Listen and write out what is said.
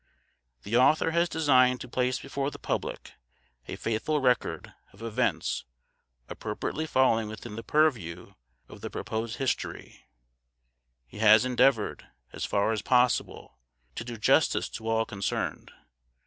The Author has designed to place before the public a faithful record of events appropriately falling within the purview of the proposed history; he has endeavored, as far as possible, to do justice to all concerned.